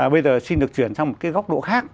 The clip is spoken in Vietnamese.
bây giờ xin được chuyển sang một cái góc độ khác